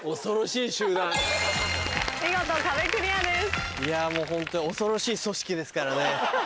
いやもうホント恐ろしい組織ですからね。